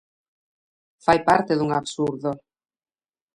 Fai parte dun absurdo.